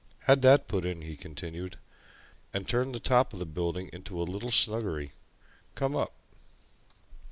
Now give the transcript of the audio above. "Had that put in," he continued, "and turned the top of the building into a little snuggery. Come up!"